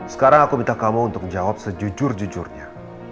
sekarang aku minta kamu untuk jawab sejujur jujurnya